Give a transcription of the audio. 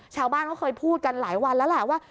ชาวบ้านเขาเคยพูดกันหลายวันแล้วแหละว่า